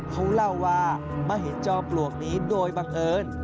เขาเล่าว่ามาเห็นจอมปลวกนี้โดยบังเอิญ